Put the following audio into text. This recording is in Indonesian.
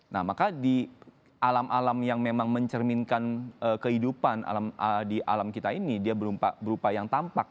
nah maka di alam alam yang memang mencerminkan kehidupan di alam kita ini dia berupa yang tampak